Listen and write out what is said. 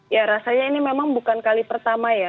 ya rasanya ini memang bukan kali pertama ya